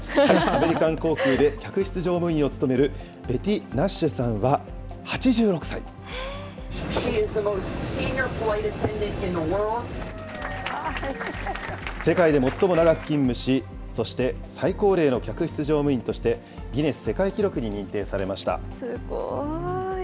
アメリカン航空で客室乗務員を務めるベティ・ナッシュさんは８６世界で最も長く勤務し、そして最高齢の客室乗務員としてギネス世界記録に認定されました。